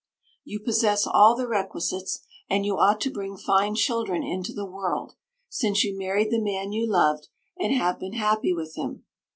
You possess all the requisites, and you ought to bring fine children into the world, since you married the man you loved, and have been happy with him.